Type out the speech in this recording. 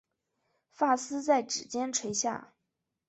发丝在指间垂下